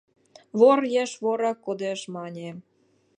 Вор еш ворак кодеш!» — мане.